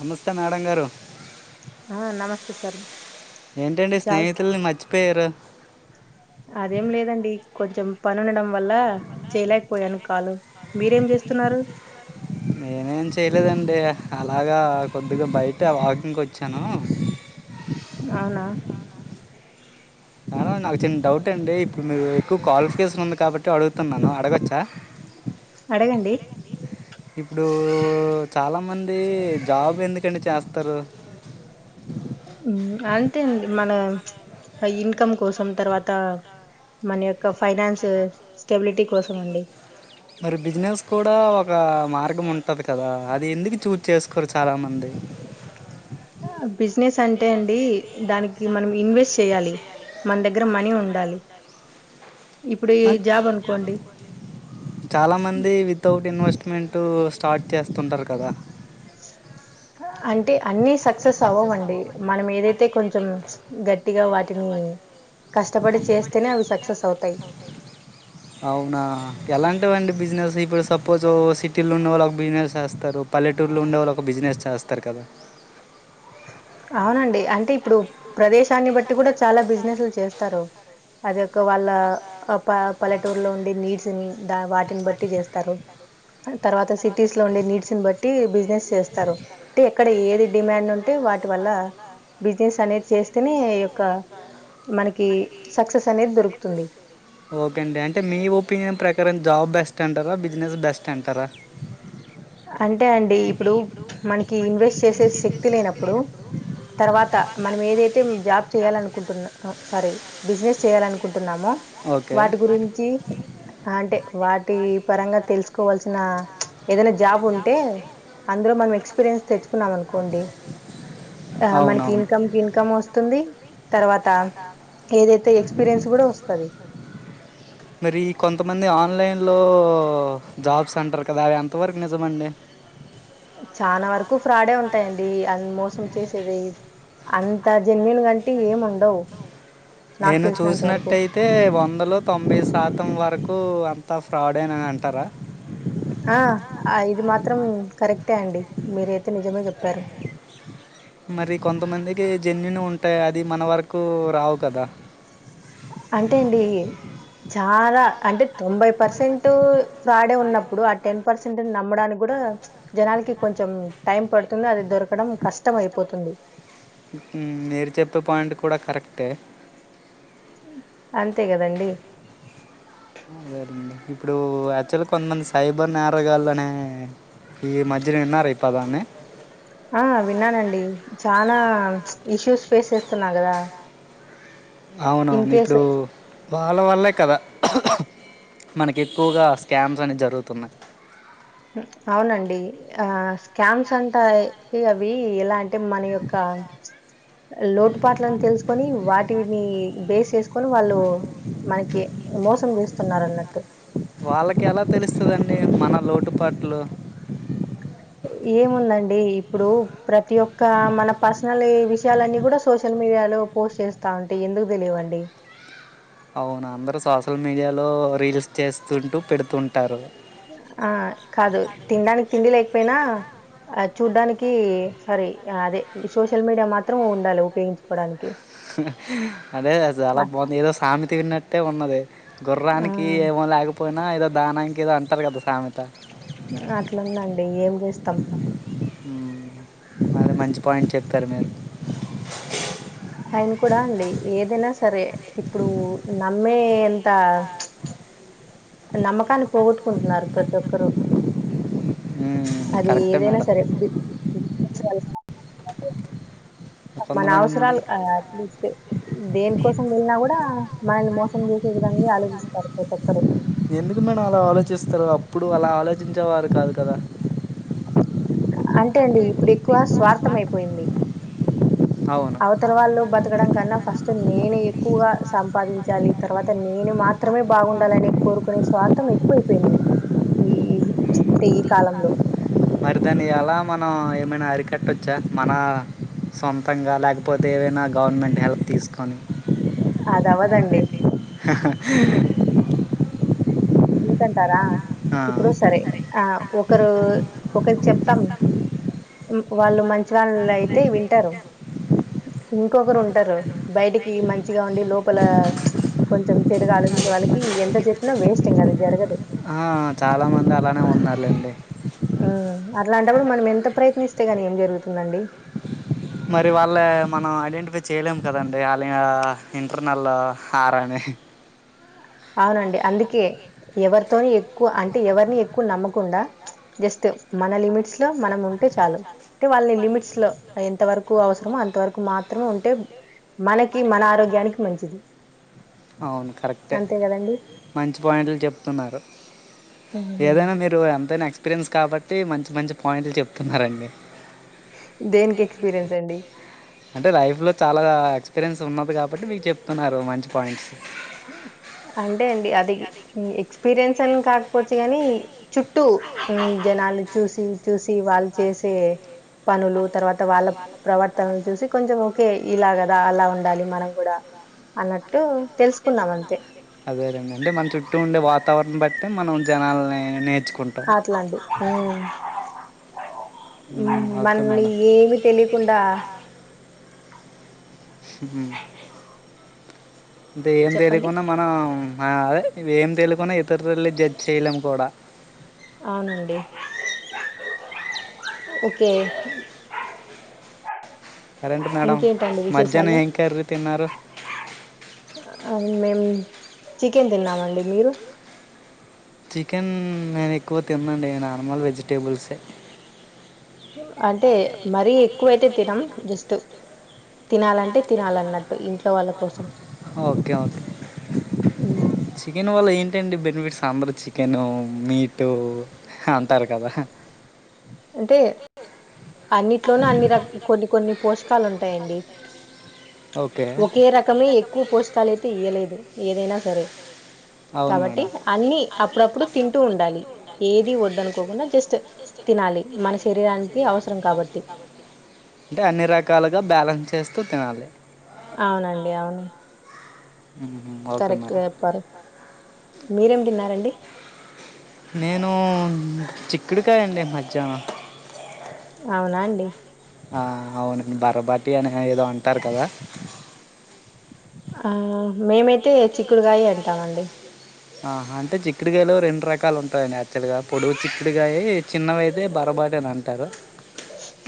నమస్తే మేడం గారు ఆ నమస్తే సార్ ఏంటండి స్నేహితుల్ని మర్చిపోయారు అదేం లేదండి కొంచెం పని ఉండడం వల్ల చేయలేకపోయాను కాలు మీరేం చేస్తున్నారు నేనేం చేయలేదండి అలాగా కొద్దిగా బయట వాకింగ్కి వచ్చాను అవునా నాకు చిన్న డౌట్ అండి ఇప్పుడు మీరు ఎక్కువ క్వాలిఫికేషన్ ఉంది కాబట్టి అడుగుతున్నాను అడగొచ్చా అడగండి ఇప్పుడు చాలా మంది జాబ్ ఎందుకండి చేస్తారు ఊ అంతే అండి మన ప్చ్ ఇన్కమ్ కోసం తర్వాత మన యొక్క ఫైనాన్స్ స్టెబిలిటీ కోసం అండి మరి బిజినెస్ కూడా ఒక మార్గం ఉంటది కదా అది ఎందుకు చూస్ చేసుకోరు చాలా మంది బిజినెస్ అంటే అండి దానికి మనం ఇన్వెస్ట్ చెయాలి మన దగ్గర మనీ ఉండాలి ఇప్పుడు ఈ జాబ్ అనుకోండి చాలా మంది వితౌట్ ఇన్వెస్ట్మెంట్ స్టార్ట్ చేస్తుంటారు కదా అంటే అన్ని సక్సెస్ అవ్వవండి మనం ఏదైతే కొంచెం గట్టిగా వాటిని కష్టపడి చేస్తేనే అవి సక్సెస్ అవుతాయి అవునా ఎలాంటి వండి బిజినెస్ ఇప్పుడు సపోజ్ సిటీలో ఉన్న వాళ్ళు ఒక బిజినెస్ చేస్తారు పల్లెటూరులో ఉండేవాళ్ళు ఒక బిజినెస్ చేస్తారు కదా అవునండి అంటే ఇప్పుడు ప్రదేశాన్ని బట్టి కూడా చాలా బిజినెస్లు చేస్తారు అదొక్క వాళ్ళ అ ప పల్లెటూరులో ఉండే నీడ్స్ ని ద వాటిని బట్టి చేస్తారు తర్వాత సిటీస్ లో ఉండే నీడ్స్ ని బట్టి బిజినెస్ చేస్తారు అంటే ఎక్కడ ఏది డిమాండ్ ఉం అంటే వాటి వల్ల బిజినెస్ అనేది చేస్తేనే యొక్క మనకి సక్సెస్ అనేది దొరుకుతుంది ఓకే అండి అంటే మీ ఒపీనియన్ ప్రకారం జాబ్ బెస్ట్ అంటారా బిజినెస్ బెస్ట్ అంటారా అంటే అండి ఇప్పుడు మనకి ఇన్వెస్ట్ చేసే శక్తి లేనప్పుడు తర్వాత మనం ఏదైతే తే జాబ్ చేయాలనుకుంటున్నా సారీ బిజినెస్ చేయాలనుకుంటున్నామో వాటి గురించి అంటే వాటి పరంగా తెలుసుకోవాల్సిన ఏదైనా జాబ్ ఉంటే అందులో మనం ఎక్స్పీరియన్స్ తెచ్ న్నాం అనుకోండి ఆ మనకి ఇన్కమ్ కి ఇన్కమ్ వస్తుంది తర్వాత ఏదైతే ఎక్స్పీరియన్స్ కూడా వస్తది మరి కొంతమంది ఆన్లైన్లో జాబ్స్ అంటారు కదా అవి ఎంతవరకు నిజమండి చాలా వరకు ఫ్రాడే ఉంటాయండి అన్ మోసం చేసేది అంత జెన్యూన్ గంటే ఏం ఉండవు నేను చూసినట్టయి తే వందలో తొంభై శాతం వరకు అంతా ఫ్రాడ్ ఏ నని అంటారా ఆ అ ఇది మాత్రం కరెక్టే అండి మీరైతే నిజమే చెప్పారు. మరి కొంతమందికి జన్యును ఉంటాయి అది మన వరకు రావు కదా అంటే అండి చాలా అంటే తొంబై పర్సెంట్ ఫ్రాడే ఉన్నప్పుడు ఆ టెన్ పర్సెంట్ ని నమ్మడానికి కూడా జనాలకి కొంచెం టైం పడుతుంది అది దొరకడం కష్టం అయిపోతుంది ఉ ఊ మీరు చెప్పే పాయింట్ కూడా కరెక్టే అంతే కదండీ ఆ లేరండి ఇప్పుడు యాక్చువల్గా కొంతమంది సైబర్ నేరగాళనే ఈ మధ్య ఇన్నారా ఈ పదాన్ని ఆ విన్నానండీ చానా ఇష్యూస్ ఫేస్ చేస్తున్నారు గదా అవునవున్ ఇప్పుడూ వాళ్ళ వల్లే కద మనకెక్కువుగా స్కామ్స్ అనే జరుగుతున్నాయి అవునండీ ఆ స్కామ్స్ అంటాయ్ ఏ అవ్వీ ఎలా అం టె మన యొక్కా లోటుపాట్లను తెల్సుకొనీ వా టినీ బేస్ యేస్కొని వాళ్లూ మనకి మోసం జేస్తున్నారన్నట్టు వాళ్ళకెలా తెలుస్తుదండీ మన లోటుపాట్లు ఏముందండీ ఇప్పుడూ ప్రతి ఒక్కా మన పర్సనలూ విషయాలన్ని గుడా సోషల్ మీడియాలో పోస్ట్ చేస్తా ఉంటే యెందుకు దెలియవండీ అవును అందరూ సోషల్ మీడియాలో రీల్స్ చేస్తుంటూ పెడుతుంటారూ ఆ కాదూ తిన్డానిక్ తిండి లేక్పొయినా ఆ చూడ్డానికీ సారీ ఆ అదే సోషల్ మీడియా మాత్రం ఉండాలి ఉపయోగించుకొడానికి అదే చాలా బావుంది ఏదో సామెత విన్నట్టే ఉన్నదే గుర్రానికీ ఏమో లేకపొయినా ఎదో దానానికెదో అంటారు గద సామెతా అట్లుందండీ యేం జేస్తం అదె మంచి పాయింట్ చెప్పరు మీరు ఆయన కూడా అండి ఏదైనా సరే ఇప్పుడూ నమ్మే ఎంతా నమ్మకాన్ని పోగొట్టుకుంటున్నారు ప్రతి ఒక్కరూ అదీ ఏదైనా సరే బి [unintelligible] మన అవసరాలు అట్లీస్ట్ దేనికోసం వెళ్ళినా గుడా మనల్ని మోసం జేసే విధంగే ఆలోచిస్తారు ప్రతొక్కరు ఎందుకు మేడం అలా ఆలోచిస్తరూ అప్పుడూ అలా ఆలోచించేవారు కాదు కదా అంటే అండీ ఇప్పుడెక్కువా స్వార్థమైపోయిందీ అవున్ అవతల వాళ్లు బతకడం కన్నా ఫస్ట్ నేనే ఎక్కువగా సంపాదించాలి తర్వాత నేను మా త్రమే బాగుండాలని కోరుకునే స్వార్థమెక్కువైపెయిందీ ఈ టె ఈ కాలంలో మరి దాన్ని యెలా మనం ఏమైనా అరికట్టొచ్చా మనా సొంతంగా లేకపోతే ఏవైనా గవర్నమెంట్ హెల్ప్ తీస్కొని ఎందుకంటారా ఇప్పుడు సరే ఆ ఒకరూ ఒకరికి శెప్తం వాళ్ళు మంచి వాళ్ళయితే వింటారు ఇంకొకరుంటరూ బైటికీ మంచిగా ఉండి లోపలా కొంచం చెడుగా ఆలోచించే వాళ్ళకీ యెంత చెప్పినా వేస్టింగది జరగదు ఆ చాలా మందలానే ఉన్నార్ లేండి ఊ అట్లాంటప్పుడు మనం ఎంత ప్రయత్నిస్తే గానీ ఏం జరుగుతుందండి మరి వాళ్ళే మనం ఐడెంటిఫై చేయలేం కదండి అలే ఆ ఇంటర్నలా ఆరాని అవునండి అందుకే ఎవరితోని ఎక్కువ అంటే ఎవరిని ఎక్కువ నమ్మకుండా జెస్ట్ మన లిమిట్స్ లో మనముంటే చాలు అంటే వాళ్ళ లిమిట్స్ లో ఎ తవరకు అవసరమో అంతవరకు మాత్రమే ఉంటే మనకి మన ఆరోగ్యానికి మంచిది ఔను కరె అంతె గదండి మంచి పాయింట్లు చెప్తున్నారు ఏదైనా మీరు మీరు ఎంతైనా ఎక్స్పీరియన్స్ కాబట్టీ మంచి మంచి పాయింట్లు చెప్తున్నారండి దేనికి ఎక్స్పీరియన్స్ అండి అంటే లైఫ్ లో చాలా ఎక్స్పీరియన్స్ ఉన్నది కాబట్టి మీకు చెప్తున్నారు మంచి పాయింట్స్ ఊ అంటే అండి అది ఉ ఎక్స్పీరియన్స్ అని కా పొచ్చు కాని చుట్టూ జనాన్ని చూసి చూసి వాళ్ళు చేసే పనులు తర్వాత వాళ్ళ ప్రవర్తనలు చూసి కొంచెం ఒకే ఇలా కథ అలా ఉండాలి మనం కూడా అన్నట్టు తెలుస్స్ అదే లే రండి అండి మన చుట్టూ ఉండే వాతావారణం బట్టి మనం జనాాల నే అట్ల అండి ఉ ఉ మని ఏమిట్ తెలియకుండా ఉహు అంటే ఏం తెలియకున్నా మనం ఆ అదే ఏం తెలుకున్నా ఇతరులీ జడ్జ్ చేయలేం కూడా అవునండి ఓకే కరెంట్ మేడం మధ్యానం ఏం కర్రీ తిన్నారు అన్ మేము చికెన్ తిన్నమండి మీరు చికెన్ నేను ఎక్కువ తిన్నండి నార్మల్ వెజిటేబుల్సే అంటే మరీ ఎక్కువైతే తిన్నా జస్ట్ తినాలి అంటే తినాలి అన్నమాట ఇంట్లో వాళ్ళ [unintelligible] ఉ చికెన్ వల్ల ఏంటి అండి బెనిఫిట్స్ ఉ అందరూ చికెన్ ఉ మీట్ ఉ అంటారు కదా అంటే అన్నిట్లోనూ అని రక్ కొన్ని కొన్ని పోషకాలు ఉంటాయండి ఒకే రకమే ఎక్కువ పోష కాలు అయితే ఇయ్యలేదు ఏదైనా సరే కాబట్టి అన్ని అప్పుడప్పుడు తింటూ ఉండాలి ఏది వద్దు అన్నుకోకుండా జస్ట్ తినాలి మన శరీరానికి అవసరం కాబట్టి అంటే అన్ని రకాలుగా బ్యాలెన్స్ చేస్తూ తినాలి అవునండి అవును ఉ కరెక్ట్ గా చెప్పారు మీరు ఏమి తిన్నారు అండి నేను చిక్కుడుకాయండి మజ్జ యానా అవునా అండి ఆ అవునండి బర బాటి అని ఏదో అంటారు కదా ఆ మేమైతే చిక్కుడు కాయే అంటాము అండి ఆహా ఆ అంటే చిక్కుడుకాయలో రెండు రకాలు ఉంటాయండి యాక్చువల్ గా పొడుగు చిక్కుడుగాయి చిన్నవి అయితే బరబాటి అని అంటారు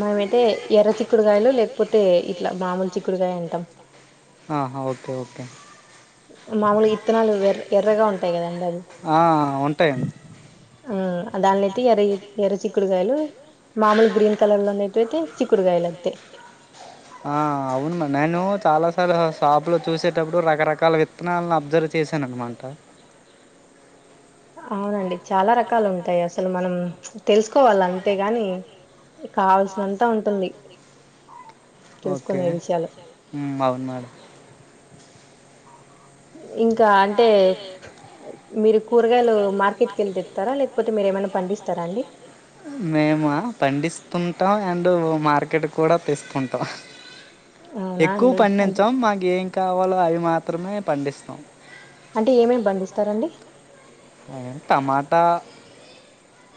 మేము అయితే ఎర్ర చిక్కుడుకాయలు లేకపోతే ఇట్లా మామూలు చిక్కుడుకాయ అంటాం ఆహా ఓకే ఓకే మామూలుగా ఇత్తనాలు ఏర్ ఎర్రగా ఉంటాయి కదండి అవి ఆ ఉంటాయండి ఉ దానియితే ఎరీ ఎర్ర చిక్కుడుగాయలు మామూలు గ్రీన్ కలర్ లో ఉన్నట్టుయితే చిక్కుడుగాయలు అంతే ఆ అవును నేను చాలాసార్లు షాపు లో చూసేటప్పుడు రకరకాలు విత్తనాలును అబ్జర్వ్ చేశాను అన్నమాట అవునండి చాలా రకాలు ఉంటాయి అసలు మనం ప్చ్ తెలుసుకోవాలి అంతేగాని ఒకే ఉ అవును మేడం ఇంకా అంటే మీరు కూరగాయలు మార్కెట్కి వెళ్ళి తే తారా లేకపోతే మీరు ఏమైనా పండిస్తారా అండి మీమా పండిస్తుంటాం అండ్ మార్కెట్ కూడా తెస్తుంటాం. ఎక్కువ పండించం మాకు ఏం కావాలో అవి మాత్రమే పండిస్తాం. అంటే ఏమేమ్ బండిస్తారండి. ఉహ్ టమాటా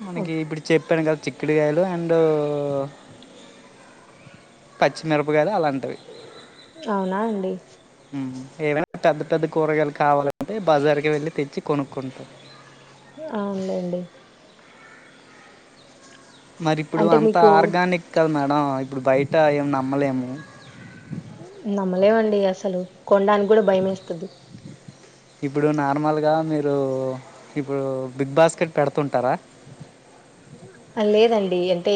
మనకి ఇప్పుడు చెప్పాను గద్ చిక్కిడుకాయలు అండ్ ఓ పచ్చిమిరపకాయలు అలాంటివి. అవునా అండి. ఏవైనా పెద్ద పెద్ద కూరగాయలు కావాలంటే బజార్కి ఏళ్ళి తెచ్చి కొనుకుంటాం. అవునలేండి. మరి ఇప్పుడు అంత ఆర్గానిక్ కదా మేడం. ఇప్పుడు బయట ఏం నమ్మలేము. నమ్మలేవండి అసలు కొడానికి గూడా భయం ఏస్తది. ఇప్పుడు నార్మల్గా మీరు ఇప్పుడు బిగ్ బాస్కెట్ పెడుతుంటారా. లేదండి అంటే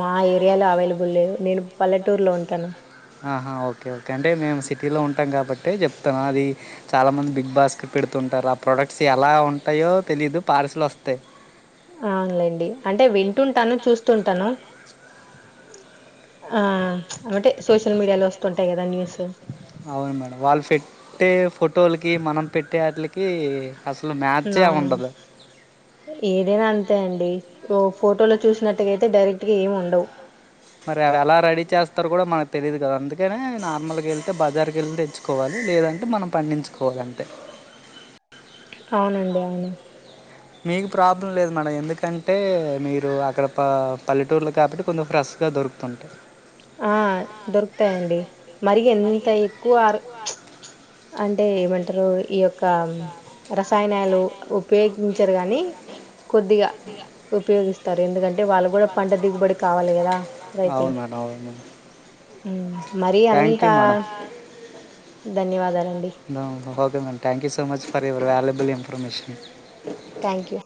మా ఏరియాలో అవైలబుల్ లేవు నేను పల్లెటూరులో ఉంటాను. ఆహ ఓకే ఓకే అంటే మేము సిటీలో ఉంటాం గాబట్టే జేప్తాన్ అది చాలా మంది బిగ్ బాస్ కి పెడుతుంటారు ఆ ప్రొడక్ట్స్ ఎలా ఉంటాయో తెలీయదు పార్సిల్ వస్తయ్. అవునులేండి అంటే వింటుంటాను చూస్తుంటాను. ఆ అంటే సోషల్ మీడియాలో వస్తుంటాయి కదా న్యూసు. అవును మేడం వాళ్ళు పేట్టే ఫోటోలకి మనం పెట్టే అట్లాక్ కి అసలు మ్యాచేయ్ ఉండదు. ఏదైనా అంతే అండి ఓ ఫోటోలో చూసినట్టుగా అయితే డైరెక్ట్ గా ఏమి ఉండవ్. మరి ఎలా రెడీ చేస్తారు కూడా మనక్ తెలీయదు కదా అందుకనే నార్మల్గా ఏళ్తే బజార్కి ఏళ్ళ తెచ్చు కోవాలి లేదంటే మనం పండించుకోవాలంటే అవునండి అవును మీకు ప్రాబ్లం లేదు మేడం ఎందుకంటే మీరు అక్కడ ప పల్లెటూర్లో కాబట్టి కొందర్ ఫ్రెస్ గా దొరుకుతుంటాయ్ ఆ దొరుకతాయండి మరి ఎంత ఎక్కువ ఆర్ అంటే ఏమంటారు ఈ యొక్క రసాయనాలు ఉపయోగించరు గాని కొద్దిగా ఉపయోగిస్ తారు ఎందుకంటే వాళ్ళ గూడా పంట దిగుబడి కావాలి గదా రైతులు నవును. ఉహ్ మరి అంతా ధన్యవాదాలండి. దవున్ okay madam thank so much for your valuable information thank you